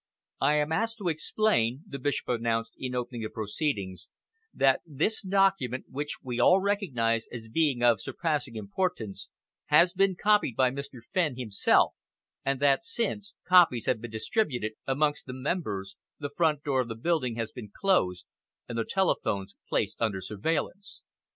"I am asked to explain," the Bishop announced, in opening the proceedings, "that this document which we all recognise as being of surpassing importance, has been copied by Mr. Fenn, himself, and that since, copies have been distributed amongst the members, the front door of the building has been closed and the telephones placed under surveillance.